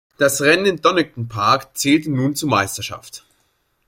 Das Rennen in Donington Park zählte nun zur Meisterschaft.